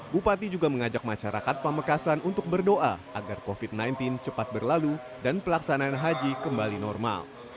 bupati juga mengajak masyarakat pamekasan untuk berdoa agar covid sembilan belas cepat berlalu dan pelaksanaan haji kembali normal